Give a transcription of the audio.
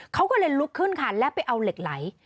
เขาก็เลยลุกขึ้นค่ะแล้วไปเอาเหล็กไหล